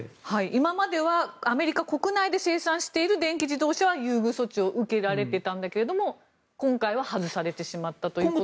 今まではアメリカ国内で生産している電気自動車は優遇措置を受けられていたんだけれども今回は外されてしまったということですが。